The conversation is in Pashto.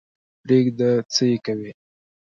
پرېږده څه یې کوې.